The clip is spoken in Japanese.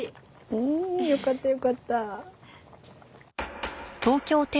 うんよかったよかった。